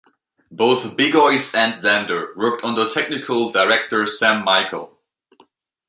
Both Bigois and Zander worked under Technical Director Sam Michael.